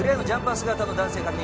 姿の男性確認